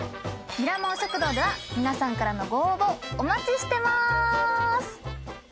ミラモン食堂では皆さんからのご応募お待ちしてます！